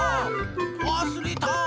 わすれた！